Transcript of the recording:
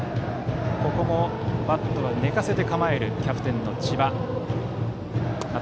ここもバットを寝かせて構えるキャプテンの千葉。